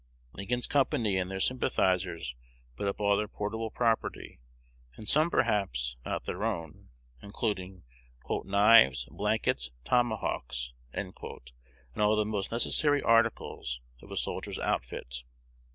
Lincoln's company and their sympathizers put up all their portable property, and some perhaps not their own, including "knives, blankets, tomahawks," and all the most necessary articles of a soldier's outfit.